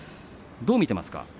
どう見ていますか？